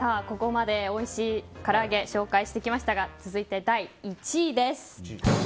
ここまで、おいしいから揚げ紹介してきましたが続いて、第１位です。